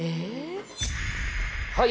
はい。